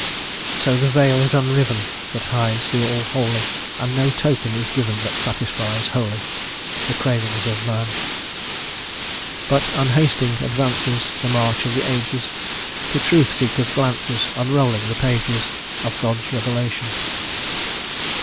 So the veil is unriven That hides the All Holy, And no token is given That satisfies wholly The cravings of man. But, unhasting, advances The march of the ages, To truth seekers' glances Unrolling the pages Of God's revelation.